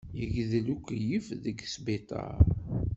Yegdel ukeyyef deg sbiṭaṛ.